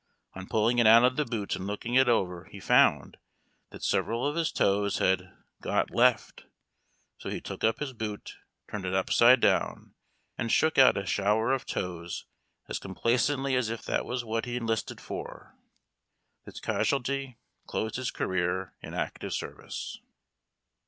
On pulling it out of the boot and looking it over he found that several of his toes had "got left"; so he took up his boot, turned it upside down, and shook out a shower of toes as complacently as if that was what he enlisted for. This casualty closed his career in active service.